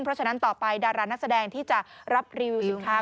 เพราะฉะนั้นต่อไปดารานักแสดงที่จะรับรีวิวสินค้า